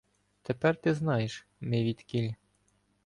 Тепер ти знаєш, ми відкіль.